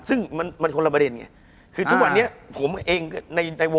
คุณผู้ชมบางท่าอาจจะไม่เข้าใจที่พิเตียร์สาร